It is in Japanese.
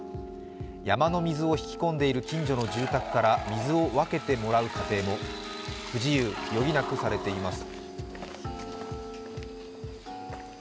山の水を引き込んでいる近所の住宅から水を分けてもらうなど不自由を余儀なくされています。